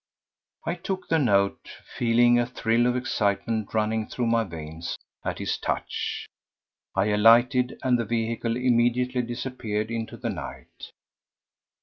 I took the note feeling a thrill of excitement running through my veins at its touch. I alighted, and the vehicle immediately disappeared into the night.